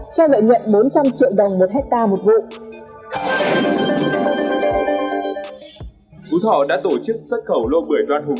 do lợi nhuận bốn trăm linh triệu đồng một hectare một vụ cú thỏ đã tổ chức xuất khẩu lô bưởi đoan hùng